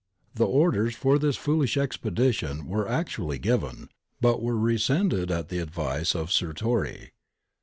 The orders for this foolish expedition were actually given, but were rescinded at the advice of Sirtori.